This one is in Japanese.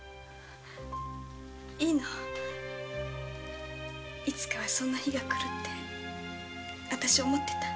いいのいつかはそんな日が来るってあたし思ってた。